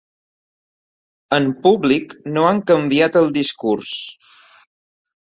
En públic no han canviat el discurs.